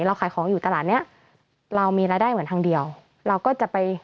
เราขายของอยู่ตลาดเนี้ยเรามีรายได้เหมือนทางเดียวเราก็จะไป